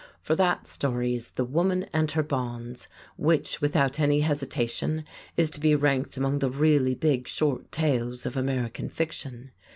For that story is "The Woman and Her Bonds," which, without any hesitation, is to be ranked among the really big short tales of American fiction.